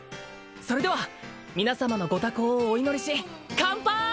それでは皆様のご多幸をお祈りしかんぱい！